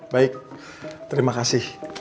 baik terima kasih